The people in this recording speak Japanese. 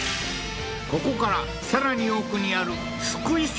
ここからさらに奥にあるスクイソ